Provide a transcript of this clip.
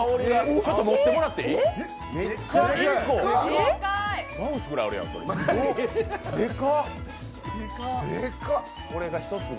ちょっと持ってもらっていい？でか。